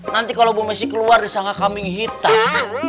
nanti kalau bu messi keluar disana kaming hitam